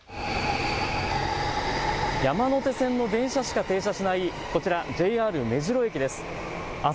山手線の電車しか停止しないこちら、ＪＲ目白駅です。